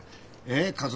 えっ？